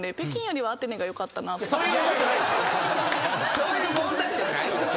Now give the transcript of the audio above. そういう問題じゃないよ。